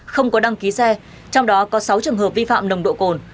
không có đăng ký xe trong đó có sáu trường hợp vi phạm nồng độ cồn